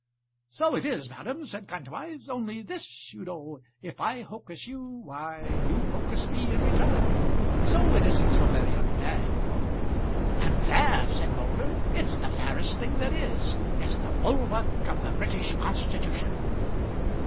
"So it is, ma'am," said Kantwise, "only this, you know, if I hocus you, why you hocus me in return; so it isn't so very unfair, you know." "Unfair!" said Moulder. "It's the fairest thing that is. It's the bulwark of the British Constitution."